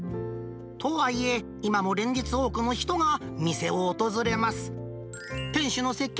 とはいえ、今も連日、多くの人が店を訪れます。